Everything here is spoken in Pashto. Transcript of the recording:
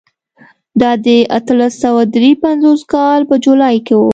دا د اتلس سوه درې پنځوس کال په جولای کې و.